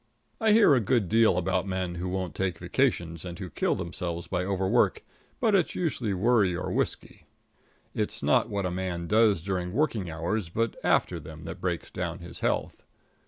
I hear a good deal about men who won't take vacations, and who kill themselves by overwork, but it's usually worry or whiskey. It's not what a man does during working hours, but after them, that breaks down his health.